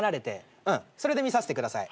それで見させてください。